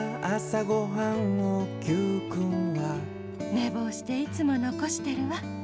ねぼうしていつものこしてるわ。